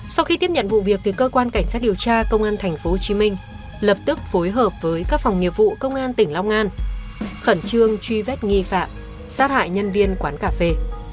sau khi tiếp nhận vụ việc cơ quan cảnh sát điều tra công an tp hcm lập tức phối hợp với các phòng nghiệp vụ công an tỉnh long an khẩn trương truy vết nghi phạm sát hại nhân viên quán cà phê